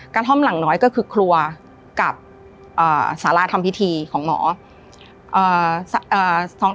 กระท่อมหลังน้อยก็คือครัวกับอ่าสาราทำพิธีของหมออ่าสองอ่า